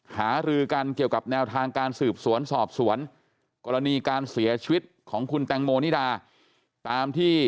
หารือกันเกี่ยวกับแนวทางการสืบสวนสอบสวนกรณีการเสียชีวิตของคุณแตงโมนิดาตามที่